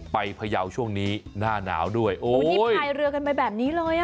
พยาวช่วงนี้หน้าหนาวด้วยโอ้นี่พายเรือกันไปแบบนี้เลยอ่ะ